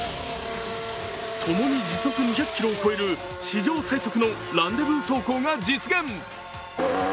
共に時速２００ｋｍを超える史上最速のランデブー走行が実現。